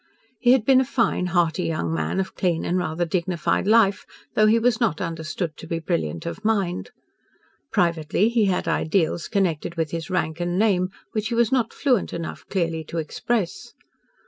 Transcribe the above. He had been a fine, hearty young man of clean and rather dignified life, though he was not understood to be brilliant of mind. Privately he had ideals connected with his rank and name which he was not fluent enough clearly to express.